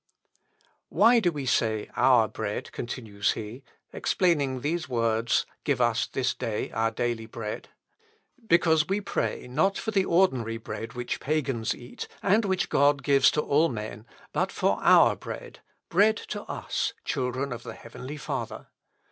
"Why do we say our bread?" continues he, "explaining these words, "Give us this day our daily bread." "Because we pray, not for the ordinary bread which pagans eat, and which God gives to all men, but for our bread bread to us, children of the heavenly Father.